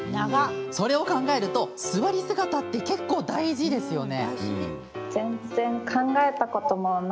それを考えると座り姿って結構大事ですよね。